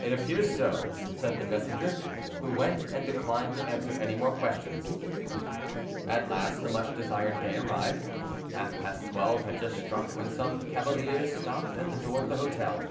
"It appears so," said the messenger, who went, and declined to answer any more questions. At last the much desired day arrived; half past twelve had just struck when some cavaliers stopped at the door of the hotel.